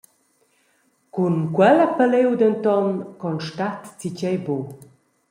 Cun quella paliu denton constat enzatgei buc.